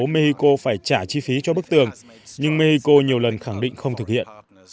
mexico phải trả chi phí cho bức tường nhưng mexico nhiều lần khẳng định không thực hiện